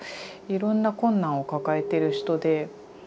いろんな困難を抱えてる人で。